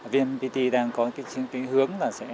vnpt đang có hướng